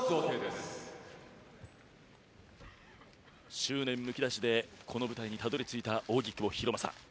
執念むき出しでこの舞台にたどり着いた扇久保博正。